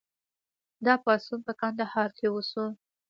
دا پاڅون په کندهار کې وشو.